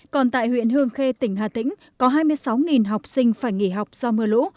còn tại huyện hương khê tỉnh hà tĩnh có hai mươi sáu học sinh phải nghỉ học do mưa lũ